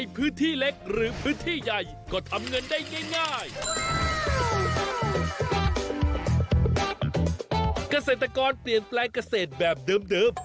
โปรดติดตามตอนต่อไป